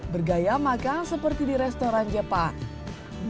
bergaya makan seperti di restoran jepang